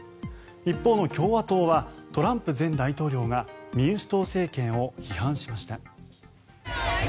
一方の共和党はトランプ前大統領が民主党政権を批判しました。